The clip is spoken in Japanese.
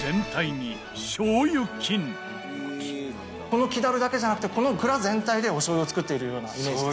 この木樽だけじゃなくてこの蔵全体でお醤油を造っているようなイメージ。